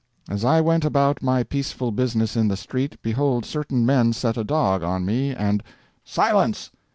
As I went about my peaceful business in the street, behold certain men set a dog on me, and—" "Silence!"